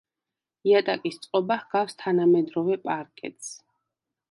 იატაკის წყობა ჰგავს თანამედროვე პარკეტს.